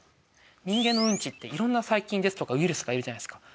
人間のウンチって色んな細菌ですとかウイルスがいるじゃないですか。